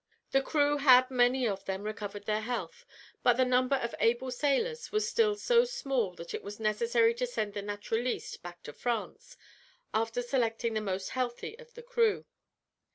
The crew had many of them recovered their health, but the number of able sailors was still so small that it was necessary to send the Naturaliste back to France, after selecting the most healthy of the crew.